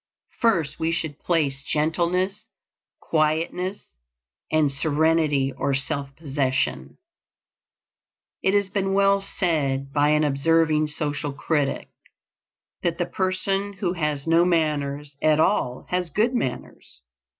First we should place gentleness, quietness, and serenity or self possession. It has been well said by an observing social critic, that the person who has no manners at all has good manners.